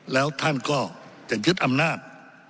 แล้วท่านก็จะยึดอำนาจ